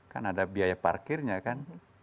kan ada biaya parkirnya kan